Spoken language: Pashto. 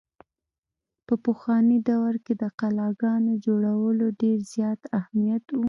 په پخواني دور کښې د قلاګانو جوړولو ډېر زيات اهميت وو۔